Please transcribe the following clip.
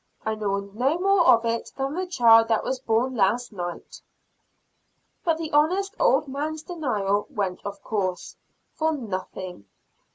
"I know no more of it than the child that was born last night." But the honest old man's denial went of course, for nothing.